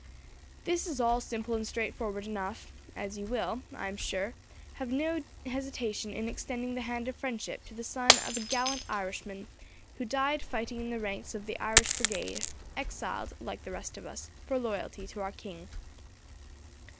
"This is all simple and straightforward enough, and you will, I am sure, have no hesitation in extending the hand of friendship to the son of a gallant Irishman, who died fighting in the ranks of the Irish Brigade, exiled, like the rest of us, for loyalty to our king.